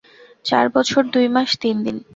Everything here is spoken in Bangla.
চার বছর, দুই মাস, তিন দিন।